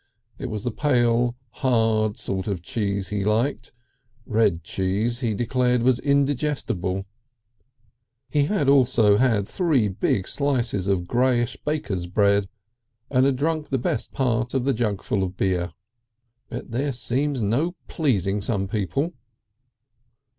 It was the pale, hard sort of cheese he liked; red cheese he declared was indigestible. He had also had three big slices of greyish baker's bread, and had drunk the best part of the jugful of beer.... But there seems to be no pleasing some people.